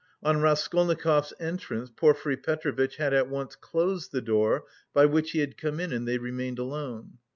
On Raskolnikov's entrance Porfiry Petrovitch had at once closed the door by which he had come in and they remained alone.